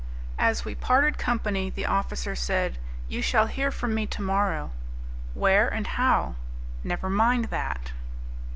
As we parted company, the officer said, "You shall hear from me to morrow." "Where, and how?" "Never mind that."